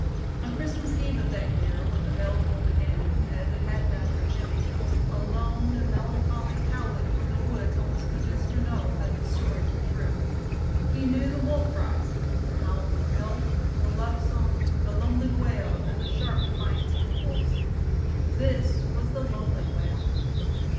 On Christmas Eve of that year when the bell tolled again as it had done for Jimmie, a lone and melancholy howling from the woods almost convinced Renaud that the stories were true. He knew the wolf cries the howl for help, the love song, the lonely wail, and the sharp defiance of the Wolves. This was the lonely wail.